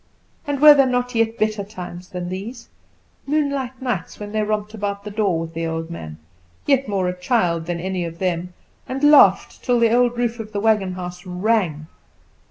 And were there not yet better times than these? Moonlight nights, when they romped about the door, with the old man, yet more a child than any of them, and laughed, till the old roof of the wagon house rang?